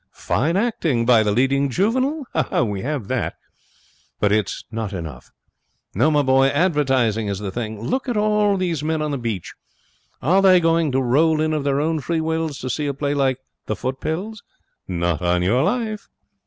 Fine acting by the leading juvenile? We have that, but it is not enough. No, my boy; advertisement is the thing. Look at all these men on the beach. Are they going to roll in of their own free wills to see a play like The Footpills? Not on your life.